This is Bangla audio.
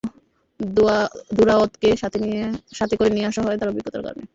দুরায়দকে সাথে করে নিয়ে আসা হয় তার অভিজ্ঞতার কারণে।